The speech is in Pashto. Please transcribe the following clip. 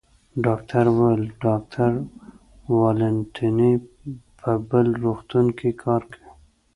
ډاکټر وویل: ډاکټر والنتیني په بل روغتون کې کار کوي.